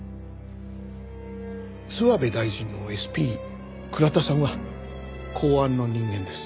諏訪部大臣のＳＰ倉田さんは公安の人間です。